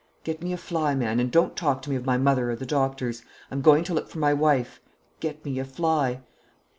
Get me a fly, man; and don't talk to me of my mother or the doctors. I'm going to look for my wife. Get me a fly."